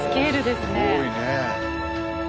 すごいねえ。